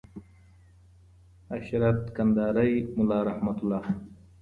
عشرت کندهارى ملا رحمت الله